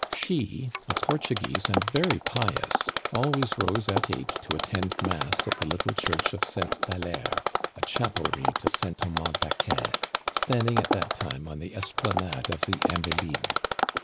She, a Portuguese, and very pious, always rose at eight to attend mass at the little church of Sainte Valere, a chapelry to Saint Thomas d'Aquin, standing at that time on the esplanade of the Invalides.